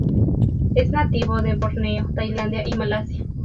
Es nativo de Borneo, Tailandia y Malasia.